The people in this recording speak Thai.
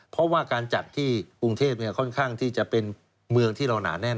เพราะว่าการจัดที่กรุงเทพค่อนข้างที่จะเป็นเมืองที่เราหนาแน่น